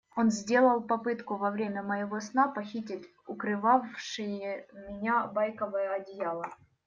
Он сделал попытку во время моего сна похитить укрывавшее меня байковое одеяло.